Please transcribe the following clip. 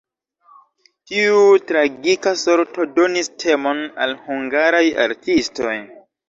Tiu tragika sorto donis temon al hungaraj artistoj.